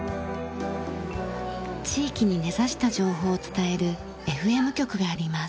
地域に根差した情報を伝えるＦＭ局があります。